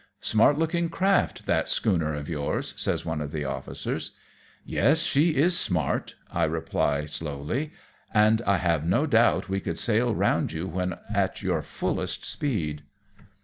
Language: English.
" Smart looking craft, that schooner of yours," says one of the officers. " Yes, she is smart," I slowly reply, " and I have no doubt we could sail round you when at your fullest speed.